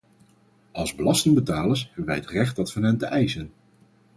Als belastingbetalers hebben wij het recht dat van hen te eisen.